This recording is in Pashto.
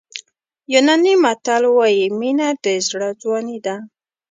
یوناني متل وایي مینه د زړه ځواني ده.